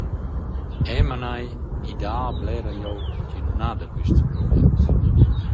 Eu manaj, i dà blera glieud chi nun ha da quists problems.